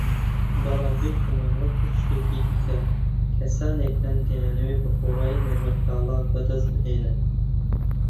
بەڵام بیگومان وەک هەر شتێکی دیکە، کەسانێک هەن دەیانەوێ بەخۆڕایی نەرمەکاڵا بەدەست بهێنن